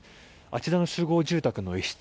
あちらの集合住宅の一室